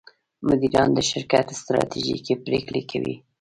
مدیران د شرکت ستراتیژیکې پرېکړې کوي.